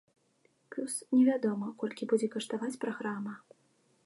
Плюс, не вядома, колькі будзе каштаваць праграма.